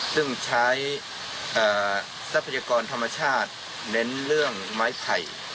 ซึ่งใช้ทรัพยากรธรรมชาติเน้นเรื่องไม้ไผ่